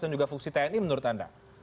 dan juga fungsi tni menurut anda